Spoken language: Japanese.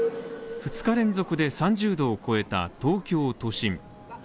２日連続で３０度を超えた東京都心。